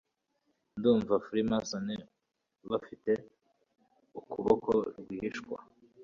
Ndumva Freemason bafite ukuboko rwihishwa